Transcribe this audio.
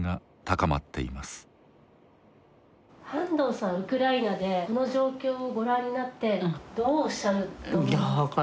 ウクライナでこの状況をご覧になってどうおっしゃると思いますか？